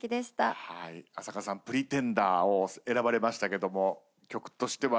浅香さん『Ｐｒｅｔｅｎｄｅｒ』を選ばれましたけども曲としてはどうですか。